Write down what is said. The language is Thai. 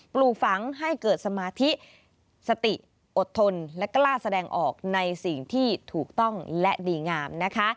ปลูกฝังให้เกิดสมาธิสติอดทนและกล้าแสดงออกในสิ่งที่ถูกต้องและดีงามนะคะ